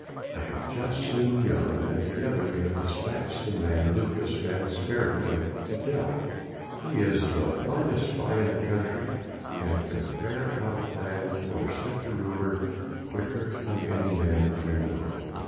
I have just seen Jan, and together we have despatched the man Lucas van Sparendam to Delft. He is the finest spy in the country, and can ferret out a plan or sift a rumour quicker than any man I know.